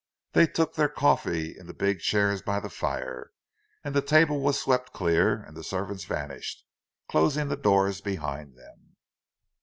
They took their coffee in the big chairs by the fire; and the table was swept clear, and the servants vanished, closing the doors behind them.